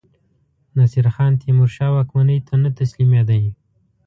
نصیرخان تیمورشاه واکمنۍ ته نه تسلیمېدی.